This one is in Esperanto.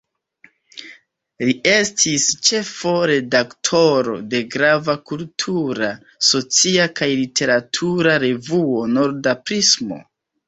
Li estis ĉefo-redaktoro de grava kultura, socia kaj literatura revuo "Norda Prismo".